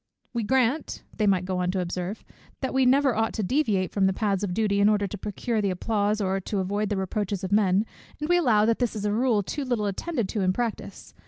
We grant," they might go on to observe, "that we never ought to deviate from the paths of duty in order to procure the applause or to avoid the reproaches of men, and we allow that this is a rule too little attended to in practice.